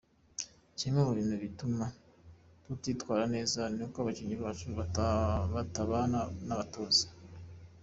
Kimwe mu bintu bituma tutitwara neza ni uko abakinnyi bacu batabana n’abatoza.